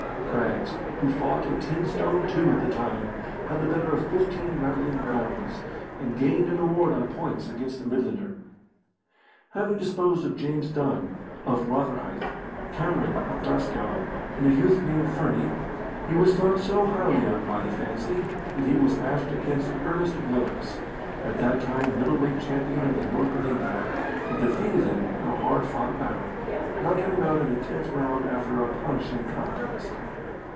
Craggs, who fought at ten stone two at the time, had the better of fifteen rattling rounds, and gained an award on points against the Midlander. Having disposed of James Dunn, of Rotherhithe, Cameron, of Glasgow, and a youth named Fernie, he was thought so highly of by the fancy that he was matched against Ernest Willox, at that time middle weight champion of the North of England, and defeated him in a hard fought battle, knocking him out in the tenth round after a punishing contest.